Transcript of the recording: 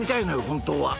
本当は。